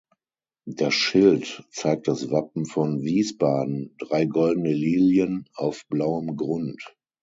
Das Schild zeigt das Wappen von Wiesbaden: drei goldene Lilien auf blauem Grund.